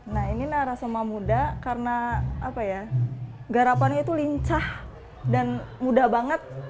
nah ini narasoma muda karena garapannya itu lincah dan muda banget